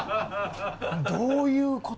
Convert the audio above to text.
どういう事？